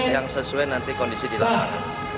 yang sesuai nanti kondisi dilakukan